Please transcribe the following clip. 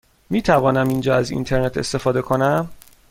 می توانم اینجا از اینترنت استفاده کنم؟